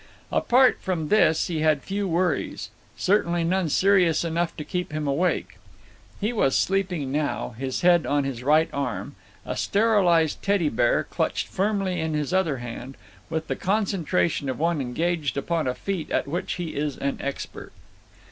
Apart from this he had few worries, certainly none serious enough to keep him awake. He was sleeping now, his head on his right arm, a sterilized Teddy bear clutched firmly in his other hand, with the concentration of one engaged upon a feat at which he is an expert.